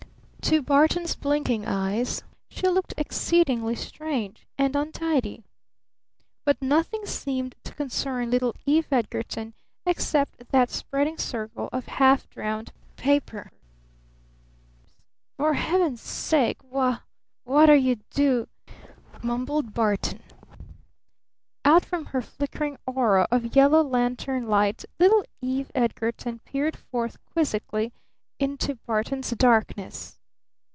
To Barton's blinking eyes she looked exceedingly strange and untidy. But nothing seemed to concern little Eve Edgarton except that spreading circle of half drowned papers. "For Heaven's sake wha ght are you do'?" mumbled Barton. Out from her flickering aura of yellow lantern light little Eve Edgarton peered forth quizzically into Barton's darkness.